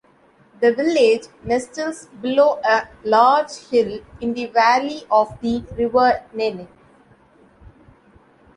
The village nestles below a large hill in the valley of the River Nene.